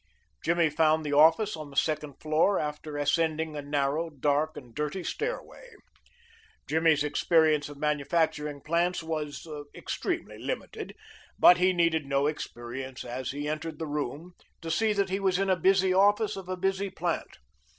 Jimmy found the office on the second floor, after ascending a narrow, dark, and dirty stairway. Jimmy's experience of manufacturing plants was extremely limited, but he needed no experience as he entered the room to see that he was in a busy office of a busy plant.